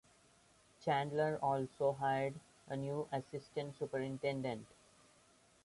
Chandler also hired a new assistant superintendent.